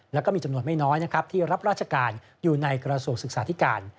แล้วก็มีจำนวนไม่น้อยนะครับที่รับราชการอยู่ในกระทรวงศึกษาธิการ